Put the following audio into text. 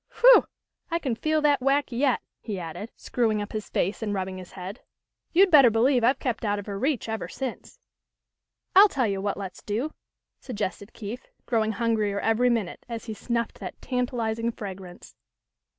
Whew ! I can feel that whack yet I " he added, THE END OF THE SUMMER. 21 screwing up his face, and rubbing his head. " You'd better believe I've kept out of her reach ever since." "I'll tell you what let's do," suggested Keith, growing hungrier every minute as he snuffed that tantalising fragrance.